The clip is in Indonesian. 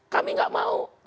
kami tidak mau